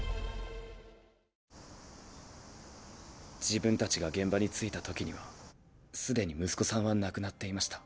自分たちが現場に着いたときにはすでに息子さんは亡くなっていました。